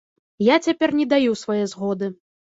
Я цяпер не даю свае згоды.